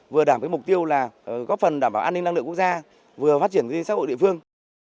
vừa đảm mục tiêu là góp phần đảm bảo an ninh năng lượng quốc gia vừa phát triển kinh tế xã hội địa phương